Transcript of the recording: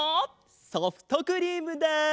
ソフトクリームだ！